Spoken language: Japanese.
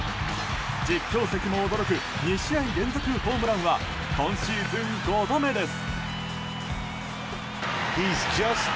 実況席も驚く２試合連続ホームランは今シーズン５度目です。